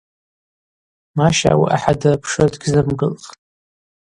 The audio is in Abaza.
Маща ауи ахӏа дырпшуа дгьзымгылхтӏ.